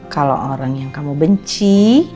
kalau orang yang kamu benci